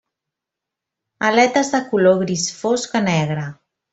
Aletes de color gris fosc a negre.